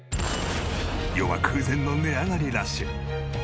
世は空前の値上がりラッシュ。